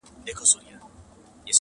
تر غوږو مي ورته تاو كړل شخ برېتونه!.